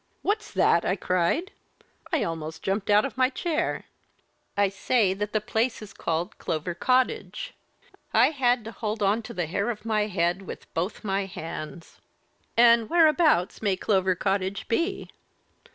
'What's that!' I cried I almost jumped out of my chair. 'I say that the place is called Clover Cottage.' I had to hold on to the hair of my head with both my hands. 'And whereabouts may Clover Cottage be?'